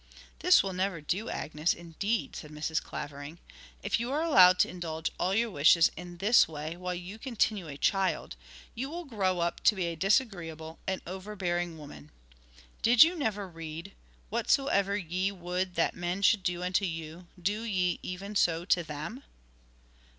'This will never do, Agnes, indeed,' said Mrs. Clavering. 'If you are allowed to indulge all your wishes in this way while you continue a child, you will grow up to be a disagreeable and overbearing woman. Did you never read, "Whatsoever ye would that men should do unto you, do ye even so to them"?